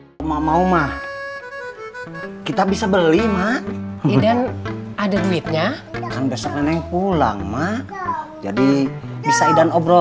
sampai jumpa di video selanjutnya